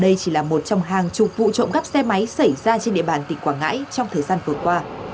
đây chỉ là một trong hàng chục vụ trộm cắp xe máy xảy ra trên địa bàn tỉnh quảng ngãi trong thời gian vừa qua